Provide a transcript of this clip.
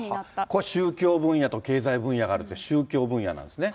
これは宗教分野と経済分野があるって、宗教分野なんですね。